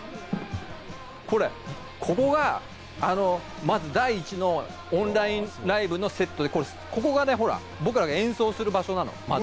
これ、ここがまず第一のオンラインライブのセットで、僕らが演奏する場所なの。